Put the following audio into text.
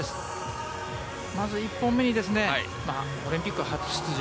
まず１本目にオリンピック初出場